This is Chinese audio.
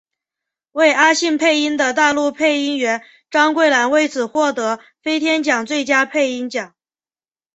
为阿信配音的大陆配音员张桂兰为此获得飞天奖最佳配音奖。